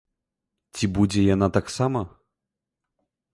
Ці будзе яна таксама?